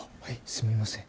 すみません。